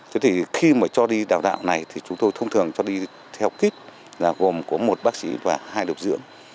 thế thì khi mà cho đi đào tạo này thì chúng tôi thông thường cho đi theo kít là gồm có một bác sĩ và hai điều dưỡng